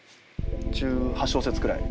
１８小節くらい。